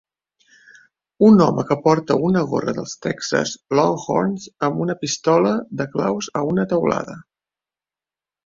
Un home que porta una gorra dels Texas Longhorns amb una pistola de claus a una teulada.